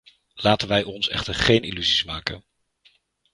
Laten wij ons echter geen illusies maken.